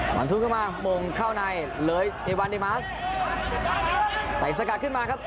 หวานทุกขึ้นมาโมงเข้าในเลยไอวัลดิมัสใส่สกัดขึ้นมาครับ